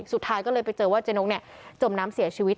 สุดท้ายก็เลยไปเจอว่าเจ๊นกจมน้ำเสียชีวิต